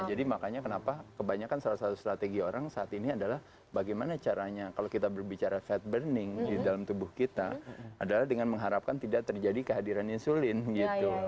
makanya kenapa kebanyakan salah satu strategi orang saat ini adalah bagaimana caranya kalau kita berbicara fed burning di dalam tubuh kita adalah dengan mengharapkan tidak terjadi kehadiran insulin gitu